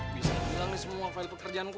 bisa bilang nih semua file pekerjaanku